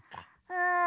うん。